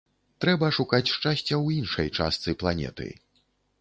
Трэба шукаць шчасця ў іншай частцы планеты.